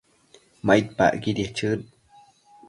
maidpacquidiec chëd